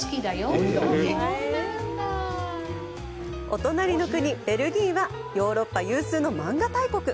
お隣の国ベルギーはヨーロッパ有数の漫画大国。